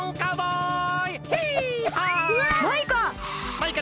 マイカ！